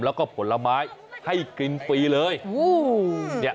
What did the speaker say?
แล้วก็ผลไม้ให้กินฟรีเลย